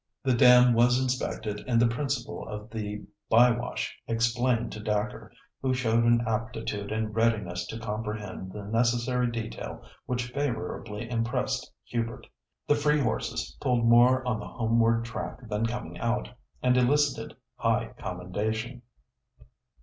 The dam was inspected and the principle of the "by wash" explained to Dacre, who showed an aptitude and readiness to comprehend the necessary detail which favourably impressed Hubert. The free horses pulled more on the homeward track than coming out, and elicited high commendation.